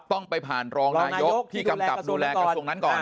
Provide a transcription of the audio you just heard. ไม่ต้องไปผ่านรองนายกที่ดูแลกระทรวงนั้นก่อน